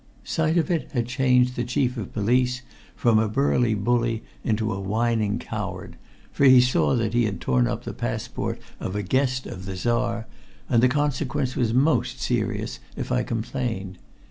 Sight of it had changed the Chief of Police from a burly bully into a whining coward, for he saw that he had torn up the passport of a guest of the Czar, and the consequence was most serious if I complained.